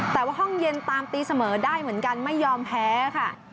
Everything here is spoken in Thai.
แต่ว่าห้องเย็นตามตีเสมอได้เหมือนกันไม่ยอมแพ้ค่ะ